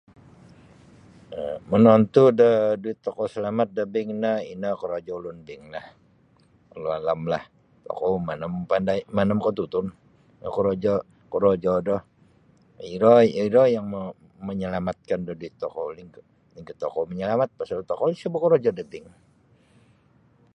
um monontu' da duit tokou salamat da bank no ino korojo ulun banklah walualamlah tokou mana mapandai mana makatutun da korojo do iro iro yang manyalamatkan da duit tokou lainkah tokou manyalamat pasal tokou isa' bokorojo da bank.